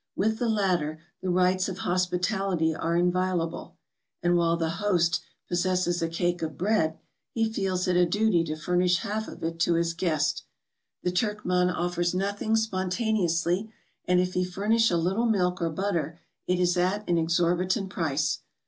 With the latter, the rights of hospitality are inviolable; and while the host pos¬ sesses a cake of bread, he feels it a duty to furnish half of it to his guest; the Turkman offers nothing spontaneously, and if he furnish a little milk or butter, it is at an exorbitant price.